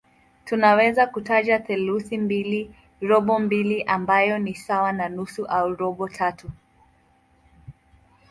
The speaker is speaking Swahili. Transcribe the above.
Tunaweza kutaja theluthi mbili, robo mbili ambayo ni sawa na nusu au robo tatu.